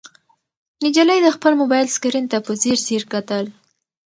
نجلۍ د خپل موبایل سکرین ته په ځیر ځیر کتل.